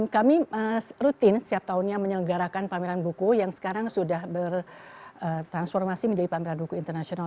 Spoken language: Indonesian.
kami rutin setiap tahunnya menyelenggarakan pameran buku yang sekarang sudah bertransformasi menjadi pameran buku internasional